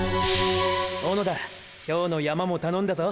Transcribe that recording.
小野田今日の山も頼んだぞ。